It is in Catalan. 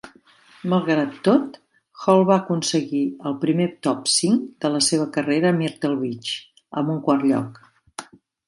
Malgrat tot, Hall va aconseguir el primer top cinc de la seva carrera a Myrtle Beach amb un quart lloc.